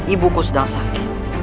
ibuku sedang sakit